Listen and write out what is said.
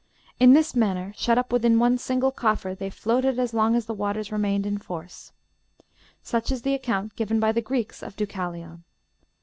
In this manner, shut up within one single coffer, they floated as long as the waters remained in force. Such is the account given by the Greeks of Deucalion.